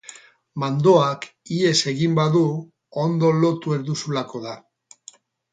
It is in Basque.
Mandoak ihes egin badu ondo lotu ez duzulako da.